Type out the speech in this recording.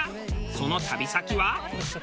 その旅先は。